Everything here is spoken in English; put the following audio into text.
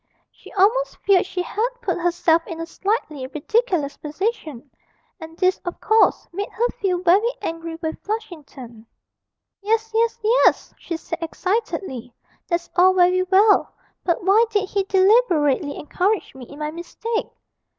She almost feared she had put herself in a slightly ridiculous position, and this, of course, made her feel very angry with Flushington. 'Yes, yes, yes!' she said excitedly, 'that's all very well; but why did he deliberately encourage me in my mistake?'